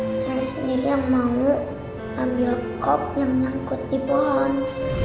saya sendiri yang mau ambil kop yang menyangkut di pohon